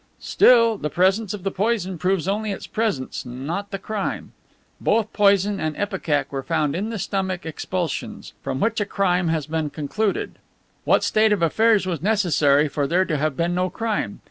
"Still, the presence of the poison proves only its presence, not the crime. Both poison and ipecac were found in the stomach expulsions. From which a crime has been concluded. What state of affairs was necessary for there to have been no crime?